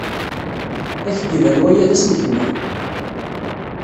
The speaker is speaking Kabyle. Ad ak-d-iban waya d asneknay.